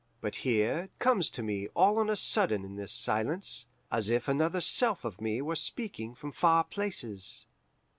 But here it comes to me all on a sudden in this silence, as if another self of me were speaking from far places.